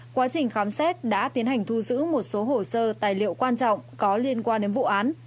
quá trình khám xét đã tiến hành thu giữ một số hồ sơ tài liệu quan trọng có liên quan đến vụ án